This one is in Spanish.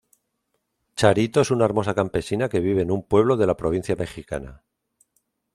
Charito es una hermosa campesina que vive en un pueblo de la provincia mexicana.